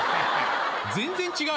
全然違うよ